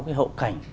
cái hậu cảnh